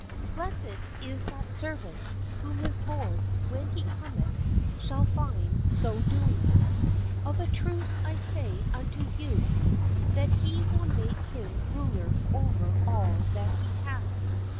Blessed is that ser vant, whom his lord when he cometh shall find so do ing. Of a truth I say unto you, that he will make him ruler over all that he hath.